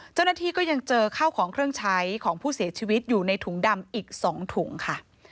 เจ้าหน้าที่ก็ยังเจอข้าวของเครื่องใช้ของผู้เสียชีวิตอยู่ในถุงดำอีก๒ถุงค่ะ